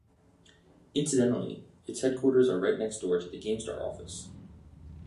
Incidentally its headquarters are right next-door to the "GameStar" office.